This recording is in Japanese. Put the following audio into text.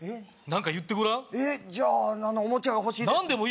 何か言ってごらんえじゃあオモチャが欲しいです